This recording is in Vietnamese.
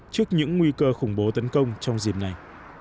trước những nguy cơ khủng bố tấn công trong dịp này